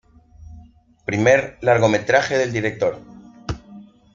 Primer largometraje del director.